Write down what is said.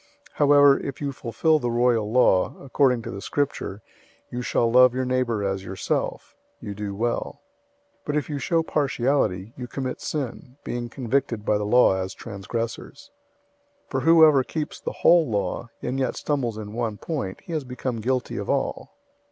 002:008 However, if you fulfill the royal law, according to the Scripture, "You shall love your neighbor as yourself,"{Leviticus 19:18} you do well. 002:009 But if you show partiality, you commit sin, being convicted by the law as transgressors. 002:010 For whoever keeps the whole law, and yet stumbles in one point, he has become guilty of all.